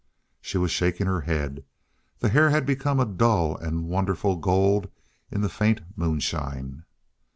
She was shaking her head; the hair had become a dull and wonderful gold in the faint moonshine.